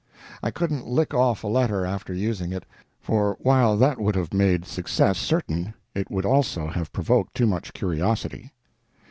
I couldn't lick off a letter after using it, for while they could have made success certain it would also have provoked too much curiosity.